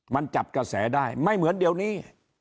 มันจับกระแสได้ไม่เหมือนเดี๋ยวนี้